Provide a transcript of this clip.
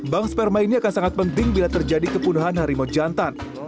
bank sperma ini akan sangat penting bila terjadi kepunuhan harimau jantan